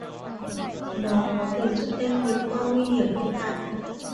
Nó có thể giúp con bé Vượt Qua Nguy hiểm hiện tại